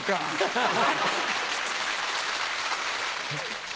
ハハハ。